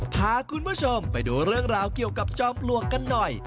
พาคุณผู้ชมไปดูเรื่องราวเกี่ยวกับจอมปลวกกันหน่อย